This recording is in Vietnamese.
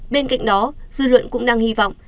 bên cạnh đó dư luận cũng đang hy vọng